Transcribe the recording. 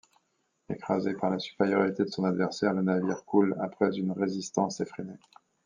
Écrasé par la supériorité de son adversaire, le navire coule après une résistance effrénée.